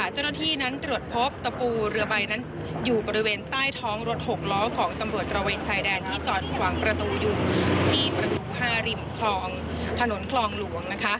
เจ้าหน้าที่นั้นตรวจพบตะปูเรือใบนั้นอยู่บริเวณใต้ท้องรถ๖ล้อของตำรวจตระเวนชายแดนที่จอดขวางประตูอยู่ที่ประตู๕ริมคลองถนนคลองหลวง